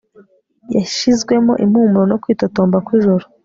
Yashizwemo impumuro no kwitotomba kwijoro